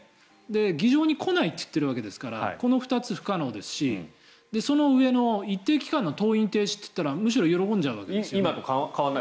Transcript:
議場に来ないと言っているわけですからこの２つは不可能ですしその上の一定期間の登院停止といったら今と変わらないですね。